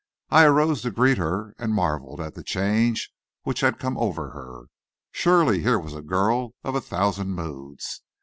I arose to greet her and marvelled at the change which had come over her. Surely here was a girl of a thousand moods.